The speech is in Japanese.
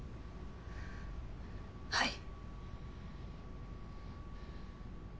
はい。